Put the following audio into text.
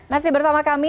masih bersama kami